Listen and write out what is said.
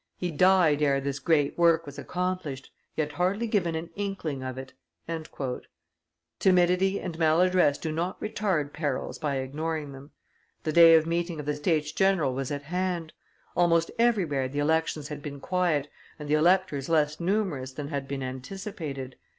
He died ere this great work was accomplished; he had hardly given an inkling of it." Timidity and maladdress do not retard perils by ignoring them. The day of meeting of the States general was at hand. Almost everywhere the elections had been quiet and the electors less numerous than had been anticipated.